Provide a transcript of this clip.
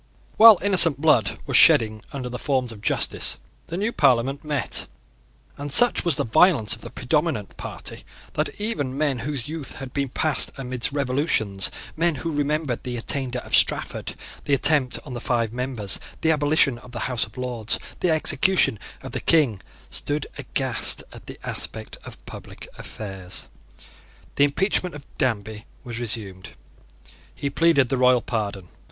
While innocent blood was shedding under the forms of justice, the new Parliament met; and such was the violence of the predominant party that even men whose youth had been passed amidst revolutions men who remembered the attainder of Strafford, the attempt on the five members, the abolition of the House of Lords, the execution of the King, stood aghast at the aspect of public affairs. The impeachment of Danby was resumed. He pleaded the royal pardon.